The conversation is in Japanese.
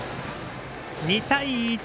２対１！